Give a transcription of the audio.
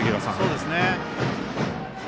そうですね。